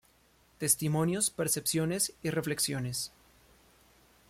Testimonios, percepciones y reflexiones".